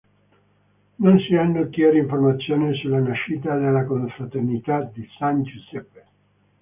Non si hanno chiare informazioni sulla nascita della confraternita di San Giuseppe.